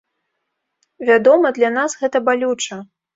Вядома, для нас гэта балюча.